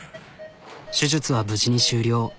手術は無事に終了。